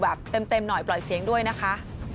แบบเต็มหน่อยปล่อยเสียงด้วยนะคะ